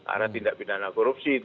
arah tindak pidana korupsi